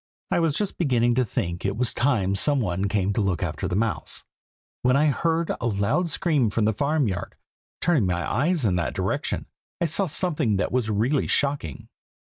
I was just beginning to think it was time some one came to look after the mouse, when I heard a loud scream from the farm yard. Turning my eyes in that direction, I saw something that was really shocking.